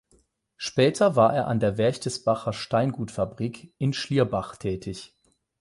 Später war er an der Wächtersbacher Steingutfabrik in Schlierbach tätig.